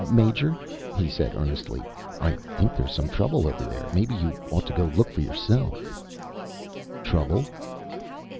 "Major," he said earnestly, "I think there's some trouble over there. Maybe you ought to go look for yourself." "Trouble?"